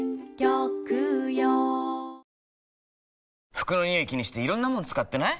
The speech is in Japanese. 服のニオイ気にしていろんなもの使ってない？